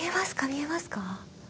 見えますか？